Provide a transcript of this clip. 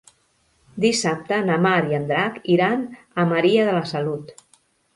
Dissabte na Mar i en Drac iran a Maria de la Salut.